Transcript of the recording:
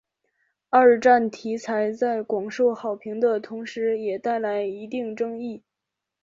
二战题材在广受好评的同时也带来一定争议。